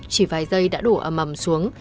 chỉ vài giây đã đổ ấm ấm xuống